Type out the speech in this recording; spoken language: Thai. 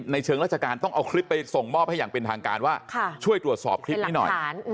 เชิงราชการต้องเอาคลิปไปส่งมอบให้อย่างเป็นทางการว่าช่วยตรวจสอบคลิปนี้หน่อย